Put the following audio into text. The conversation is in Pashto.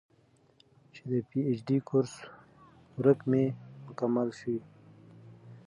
چې د پي اېچ ډي کورس ورک مې مکمل شوے